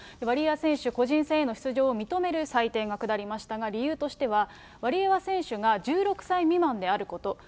ワリエワ選手、個人戦への出場を認める裁定が下りましたが、理由としては、ワリエワ選手が１６歳未満であること。